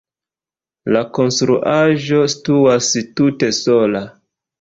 La konstruaĵo situas tute sola.